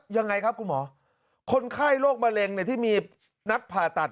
ยังไงครับคุณหมอคนไข้โรคมะเร็งที่มีนักผ่าตัด